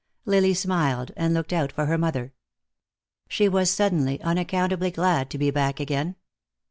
Lily smiled, and looked out for her mother. She was suddenly unaccountably glad to be back again.